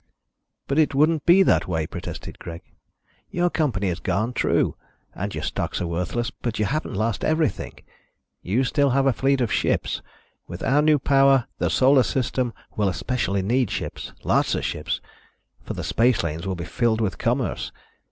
"But it wouldn't be that way," protested Greg. "Your company is gone, true, and your stocks are worthless, but you haven't lost everything. You still have a fleet of ships. With our new power, the Solar System will especially need ships. Lots of ships. For the spacelanes will be filled with commerce.